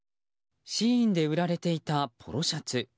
ＳＨＥＩＮで売られていたポロシャツ。